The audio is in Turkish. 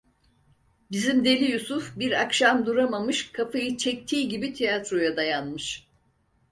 Bizim deli Yusuf bir akşam duramamış, kafayı çektiği gibi tiyatroya dayanmış.